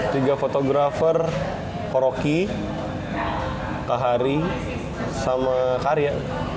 tiga fotografer koroki kahari sama karya